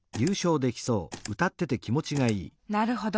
なるほど。